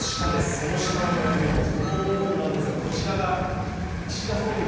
その下の文言です。